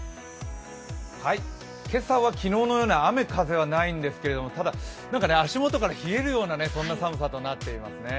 今朝は昨日のような雨・風はないんですけどただ、足元から冷えるようなそんな寒さとなっていますね。